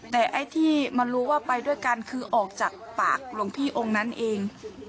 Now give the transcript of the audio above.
แต่ไอ้ที่มารู้ว่าไปด้วยกันคือออกจากปากหลวงพี่องค์นั้นเอง